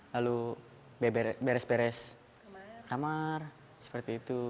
lalu beres beres kamar seperti itu